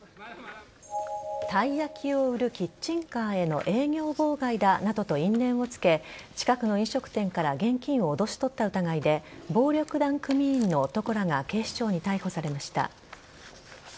たい焼きを売るキッチンカーへの営業妨害だなどと因縁をつけ近くの飲食店から現金を脅し取った疑いで暴力団組員の男らが警視庁に逮捕されました。